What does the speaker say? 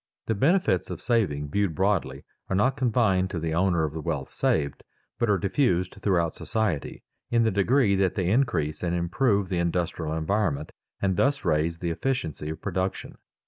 [Sidenote: Diffused benefits of saving] The benefits of saving viewed broadly are not confined to the owner of the wealth saved, but are diffused throughout society, in the degree that they increase and improve the industrial environment, and thus raise the efficiency of production.